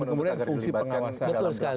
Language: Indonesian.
kemudian fungsi pengawasan